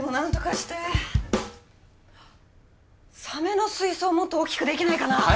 サメの水槽もっと大きくできないかな？